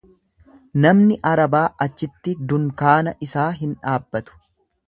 Namni Arabaa achitti dunkaana isaa hin dhaabbatu.